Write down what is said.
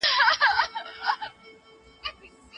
دلسوز